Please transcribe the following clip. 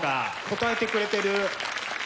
応えてくれてる。